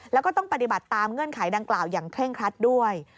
แล้วก็ต้องปฏิบัติตามเงื่อนไขดังกล่าวอย่างเคร่งครัดด้วย